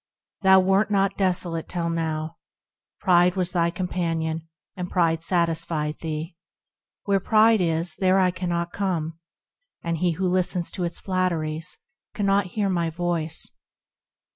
Thou wert not desolate till now; Pride was thy companion, and pride satisfied thee. Where pride is, there I cannot come, And he who listens to its flatteries, cannot hear my Voice.